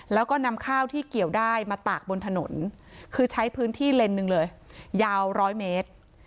แล้วก็นำข้าวที่เกี่ยวได้มาตากบนถนนคือใช้พื้นที่เลนส์หนึ่งเลยยาวร้อยเมตร